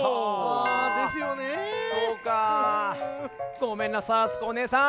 ごめんなさいあつこおねえさん。